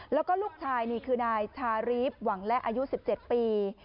แล้วก็ลูกชายนี่คือนายชารีฟหวังและอายุ๑๗ปี